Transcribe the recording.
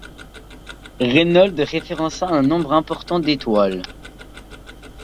Reinhold référença un nombre important d'étoiles.